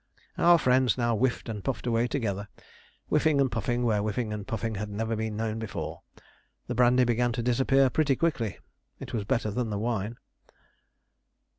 Our friends now whiffed and puffed away together whiffing and puffing where whiffing and puffing had never been known before. The brandy began to disappear pretty quickly; it was better than the wine.